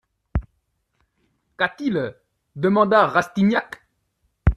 Qu'a-t-il ? demanda Rastignac.